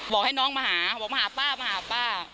บอกให้น้องมาหาบอกมาหาป้ามาหาป้า